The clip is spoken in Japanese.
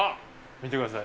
見てください。